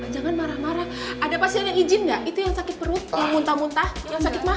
jangan marah marah ada pasien yang izin nggak itu yang sakit perut yang muntah muntah yang sakit mah